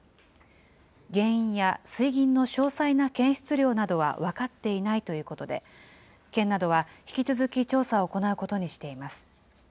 原因や水銀の詳細な検出量などは分かっていないということで、県などは引き続き調査を行うことにしています。